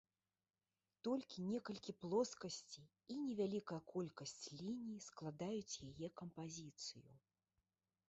Толькі некалькі плоскасцей і невялікая колькасць ліній складаюць яе кампазіцыю.